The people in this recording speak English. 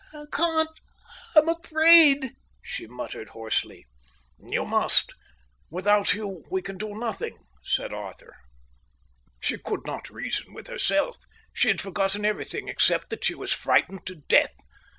"I can't, I'm afraid," she muttered hoarsely. "You must. Without you we can do nothing," said Arthur. She could not reason with herself. She had forgotten everything except that she was frightened to death.